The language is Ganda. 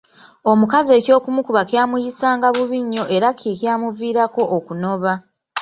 Omukazi eky'okumukuba kyamuyisanga bubi nnyo era ky'ekyamuviirako okunoba.